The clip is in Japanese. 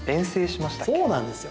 そうなんですよ。